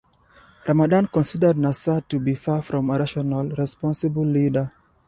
Ramadan considered Nasser to be far from a rational, responsible leader.